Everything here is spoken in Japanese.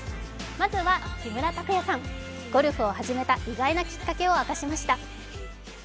まずは、木村拓哉さん、ゴルフを始めた意外なきっかけを明かしました。